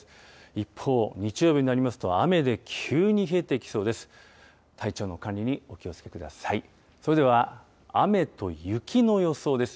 一方、日曜日になりますと、雨で急に冷えてきそうです。